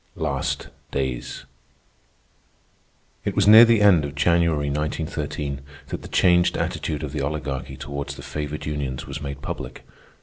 LAST DAYS It was near the end of January, 1913, that the changed attitude of the Oligarchy toward the favored unions was made public.